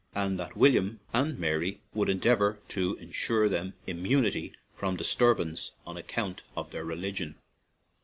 and that William and Mary would endeavor to insure them immunity from disturbance on account of their religion.